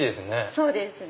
そうですね。